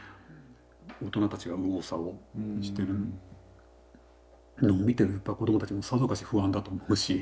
大人たちが右往左往してるのを見てる子どもたちもさぞかし不安だと思うし。